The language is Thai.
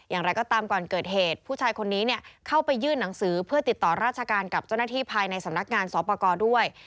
อย่างไรก็ตามก่อนเกิดเหตุผู้ชายคนนี้เข้าไปยื่นหนังสือเพื่อติดต่อราชการกับเจ้าหน้าที่ภายในสำนักงานสอปกรด้วย